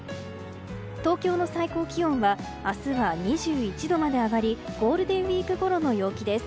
東京の最高気温は明日は２１度まで上がりゴールデンウィークごろの陽気です。